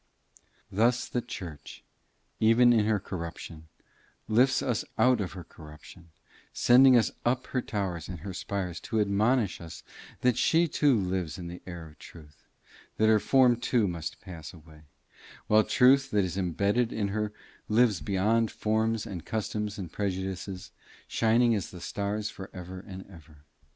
Thus the church, even in her corruption, lifts us out of her corruption, sending us up her towers and her spires to admonish us that she too lives in the air of truth: that her form too must pass away, while the truth that is embodied in her lives beyond forms and customs and prejudices, shining as the stars for ever and ever.